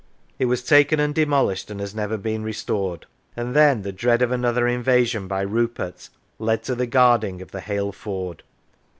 It was taken and demolished, and has never been restored; and then the dread of another invasion by Rupert led to the guarding of the Hale ford.